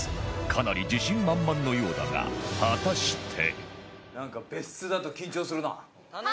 かなり自信満々のようだが果たしてなんか別室だと緊張するな。